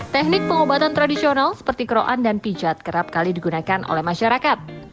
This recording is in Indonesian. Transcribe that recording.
teknik pengobatan tradisional seperti keroan dan pijat kerap kali digunakan oleh masyarakat